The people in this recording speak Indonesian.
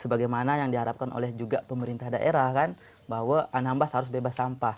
sebagaimana yang diharapkan oleh juga pemerintah daerah kan bahwa anambas harus bebas sampah